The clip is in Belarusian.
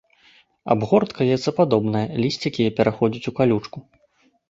Абгортка яйцападобная, лісцікі яе пераходзяць у калючку.